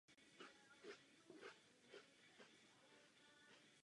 Po druhé světové válce pokračovala devastace hradu.